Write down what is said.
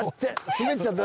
滑っちゃった。